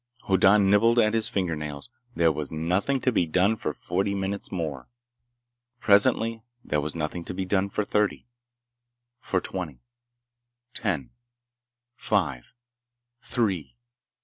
Hoddan nibbled at his fingernails. There was nothing to be done for forty minutes more. Presently there was nothing to be done for thirty. For twenty. Ten. Five. Three.